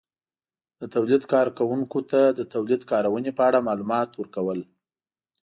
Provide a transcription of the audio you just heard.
-د تولید کارونکو ته د تولید کارونې په اړه مالومات ورکول